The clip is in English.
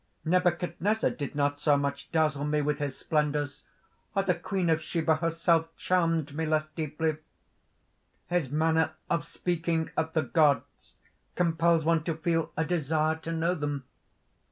"Nebuchadnezzar did not so much dazzle me with his splendours; the Queen of Sheba herself charmed me less deeply. "His manner of speaking of the gods compels one to feel a desire to know them.